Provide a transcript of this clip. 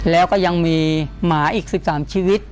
แล้วก็ยังมีหมาอีก๑๓ชีวิต